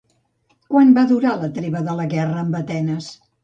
Quant va durar la treva de la guerra amb Atenes?